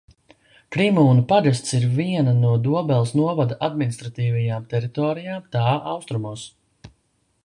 Krimūnu pagasts ir viena no Dobeles novada administratīvajām teritorijām tā austrumos.